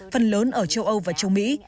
phần lớn ở châu âu và châu mỹ